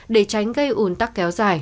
để tránh gây ủn tắc kéo dài